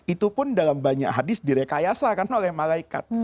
itu pun dalam banyak hadis direkayasakan oleh malaikat